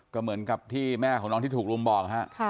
ก็เหมือนกับที่แม่ของน้องที่ถูกรุมบอกฮะ